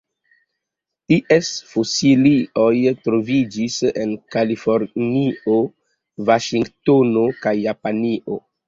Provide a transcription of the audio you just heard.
Ties fosilioj troviĝis en Kalifornio, Vaŝingtono kaj Japanio.